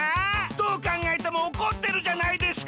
どうかんがえてもおこってるじゃないですか！